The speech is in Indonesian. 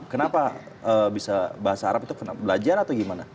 kenapa bisa bahasa arab itu belajar atau gimana